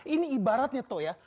ini ibaratnya tuh ya